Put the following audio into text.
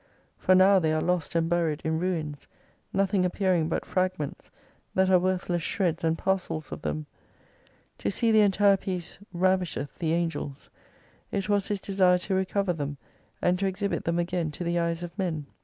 For now they are lost and buried in ruins, nothing appearing but fragments, that are worthless shreds and parcels of them. To see the entire piece ravisheth the Angels. It was his desire to recover them and to exhibit them again to the eyes of men.